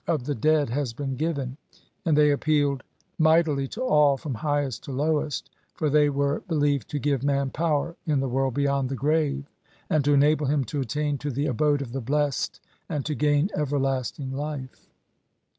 XLV of the Dead has been given, and they appealed might ily to all, from highest to lowest, for they were be lieved to give man power in the world beyond the grave, and to enable him to attain to the abode of the blessed and to gain everlasting life.